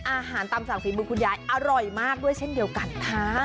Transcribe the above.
อาหารตามสั่งฝีมือคุณยายอร่อยมากด้วยเช่นเดียวกันค่ะ